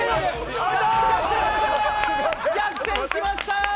逆転しましたー！